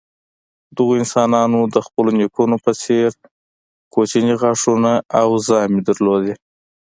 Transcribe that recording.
دغو انسانانو د خپلو نیکونو په څېر کوچني غاښونه او ژامې لرلې.